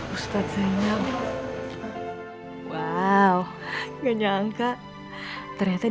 udah ya entah